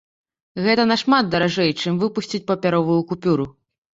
Гэта нашмат даражэй, чым выпусціць папяровую купюру.